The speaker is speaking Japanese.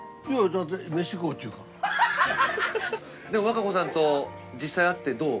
和歌子さんと実際会ってどう？